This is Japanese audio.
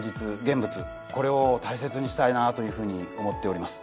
これを大切にしたいなというふうに思っております。